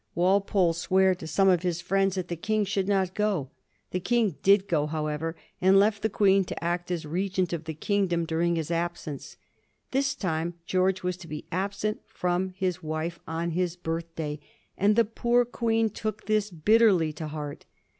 Walpole swore to some of his friends that the King should not go. The King did go, however, and left the Queen to act as regent of the kingdom during his absence. This time George was to be absent from his wife on his birthday, and the poor Queen took this bitter ly to heart.